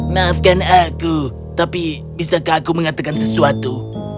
maafkan aku tapi bisakah aku mengatakan sesuatu